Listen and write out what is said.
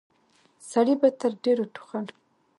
سړي به تر ډيرو ټوخل.